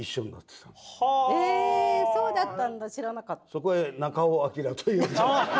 そこへ中尾彬という。